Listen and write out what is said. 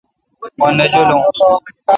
مہ نہ جولوں